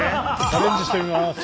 チャレンジしてみます。